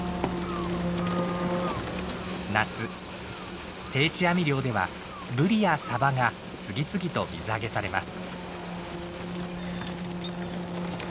夏定置網漁ではブリやサバが次々と水揚げされます。